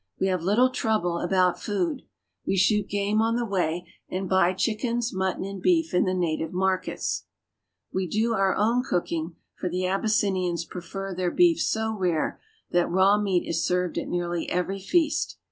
We have little trouble about food. We shoot game on the way, and buy chickens, mutton, and beef in the native markets. We do our own cooking, for the Abys sinians prefer their beef so rare that raw meat is served at nearly every feast.